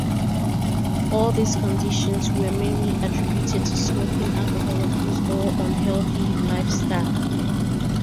All these conditions were mainly attributed to smoking, alcohol abuse or unhealthy lifestyle.